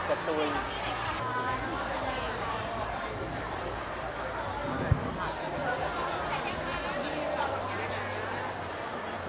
พี่แม่ขอขอบคุณเลยนะครับ